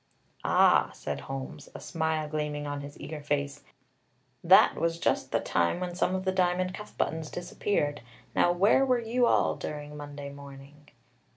"Ah," said Holmes, a smile gleaming on his eager face, "that was just the time when some of the diamond cuff buttons disappeared. Now, where were you all during Monday morning?"